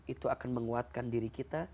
itu akan menguatkan diri kita